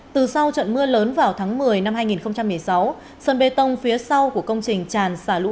từ sau trận mưa lớn vào tháng một mươi năm hai nghìn một mươi sáu sân bê tông phía sau của công trình tràn xả lũ